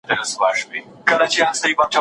ګردسره مي نه پرېږدې.